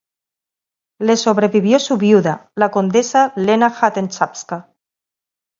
Le sobrevivió su viuda, la condesa Lena Hutten-Czapska.